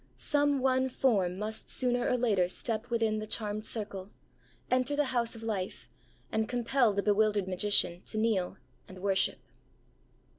Some one form must sooner or later step within the charmed circle, enter the house of life, and compel the bewildered magician to kneel and worship.